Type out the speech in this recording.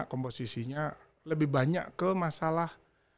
komposisinya lebih banyak ke masalah